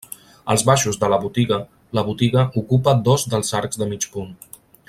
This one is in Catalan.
Als baixos de la botiga, la botiga ocupa dos dels arcs de mig punt.